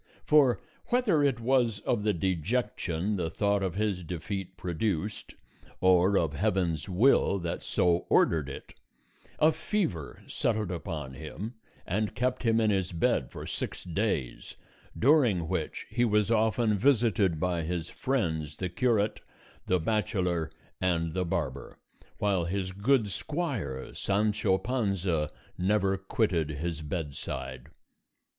For whether it was of the dejection the thought of his defeat produced, or of Heaven's will that so ordered it a fever settled upon him and kept him in his bed for six days, during which he was often visited by his friends the curate, the bachelor, and the barber, while his good squire Sancho Panza never quitted his bedside.